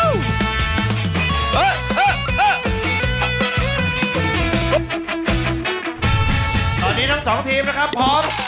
ตอนนี้ทั้ง๒ทีมนะครับพร้อม